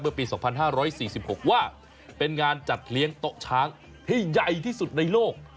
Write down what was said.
ปี๒๕๔๖ว่าเป็นงานจัดเลี้ยงโต๊ะช้างที่ใหญ่ที่สุดในโลก